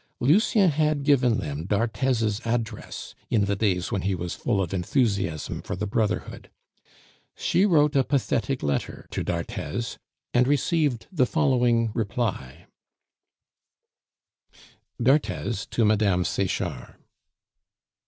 Lucien had given them d'Arthez's address in the days when he was full of enthusiasm for the brotherhood; she wrote a pathetic letter to d'Arthez, and received the following reply: _D'Arthez to Mme. Sechard.